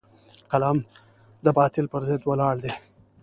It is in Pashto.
قلم د باطل پر ضد ولاړ دی